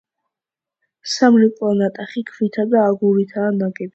სამრეკლო ნატეხი ქვითა და აგურითაა ნაგები.